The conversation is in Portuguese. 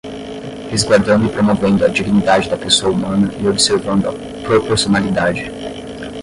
resguardando e promovendo a dignidade da pessoa humana e observando a proporcionalidade